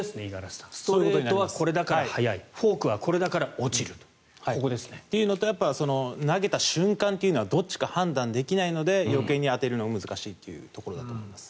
ストレートはこれだから速いフォークはこれだから落ちるとここですね。というのと投げた瞬間というのはどっちか判断できないので余計に判断が難しいというところだと思います。